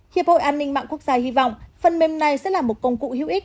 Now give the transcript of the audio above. hiệp hội an ninh mạng quốc gia hy vọng phân mêm này sẽ là một công cụ hữu ích